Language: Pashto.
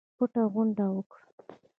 پټه غونډه وکړه.